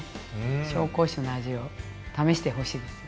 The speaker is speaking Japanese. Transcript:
紹興酒の味を試してほしいですよね。